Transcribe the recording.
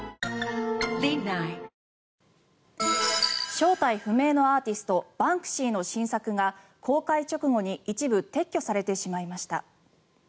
正体不明のアーティストバンクシーの新作が公開直後に一部撤去されてしまいました。